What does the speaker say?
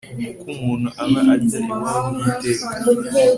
kuko umuntu aba ajya iwabo h'iteka